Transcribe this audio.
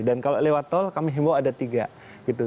dan kalau lewat tol kami himau ada tiga gitu